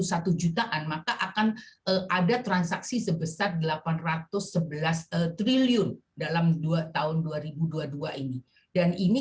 satu jutaan maka akan ada transaksi sebesar delapan ratus sebelas triliun dalam dua tahun dua ribu dua puluh dua ini dan ini